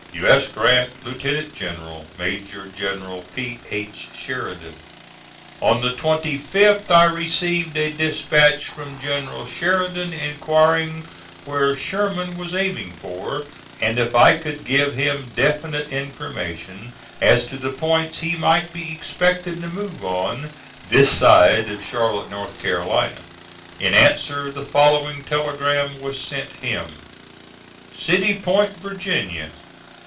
"U. S. GRANT, Lieutenant General. "MAJOR GENERAL P. H. SHERIDAN." On the 25th I received a dispatch from General Sheridan, inquiring where Sherman was aiming for, and if I could give him definite information as to the points he might be expected to move on, this side of Charlotte, North Carolina. In answer, the following telegram was sent him: "CITY POINT, VA.